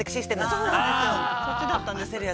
そっちだったんです。